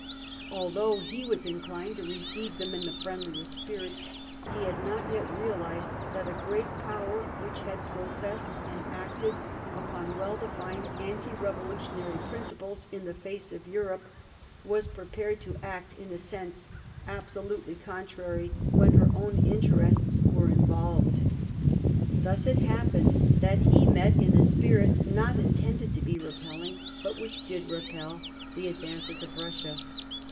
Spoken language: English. Although he Mas inclined to receive them in the friendliest spirit, he had not yet realised that a great Power which had professed and acted upon well defined anti revolutionary principles in the face of Europe, was prepared to act in a sense absolutely contrary when her own interests were involved. Thus it happened that he met in a spirit, not intended to be repelling, but which did repel, the advances of Russia.